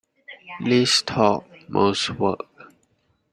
Least talk most work.